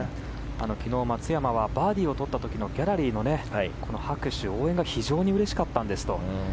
昨日松山はバーディーをとった時のギャラリーの拍手、応援が非常にうれしかったんですと。